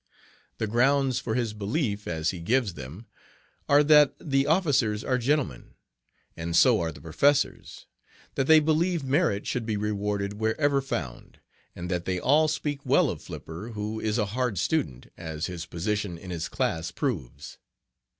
The grounds for his belief, as he gives them, are that the officers are gentlemen, and so are the professors; that they believe merit should be rewarded wherever found; and that they all speak well of Flipper, who is a hard student, as his position in his class proves.